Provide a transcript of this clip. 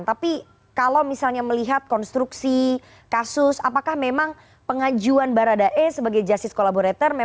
tapi kalau misalnya melihat konstruksi kasus apakah memang pengajuan baradae sebagai justice collaborator